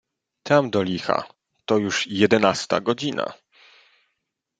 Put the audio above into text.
"Tam do licha, to już jedenasta godzina."